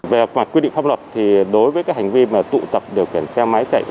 về quy định pháp luật đối với hành vi tụ tập điều khiển xe máy chạy